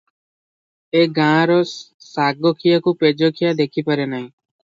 ଏ ଗାଁର ଶାଗଖିଆକୁ ପେଜଖିଆ ଦେଖିପାରେ ନାହିଁ ।